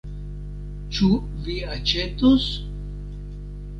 Ĉu vi aĉetos?